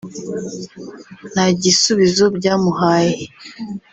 nta gisubizo byamuhaye